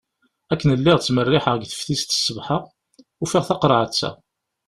Akken lliɣ ttmerriḥeɣ deg teftist ṣṣbeḥ-a, ufiɣ taqerεet-a.